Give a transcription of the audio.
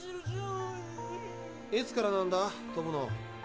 いつからなんだ飛ぶの。